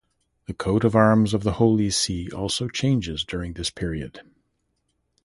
The coat of arms of the Holy See also changes during this period.